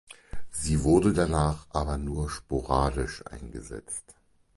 Sie wurde danach aber nur sporadisch eingesetzt.